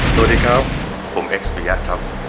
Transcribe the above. สวัสดีครับผมเอศพริยัทครับ